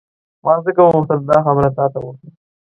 ما ځکه وغوښتل دا خبره تا ته وکړم.